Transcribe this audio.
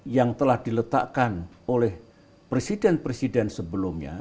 yang telah diletakkan oleh presiden presiden sebelumnya